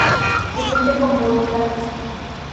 Se siente como volver a casa.